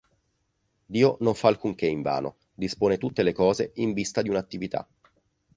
Dio non fa alcunché invano: dispone tutte le cose in vista di un'attività.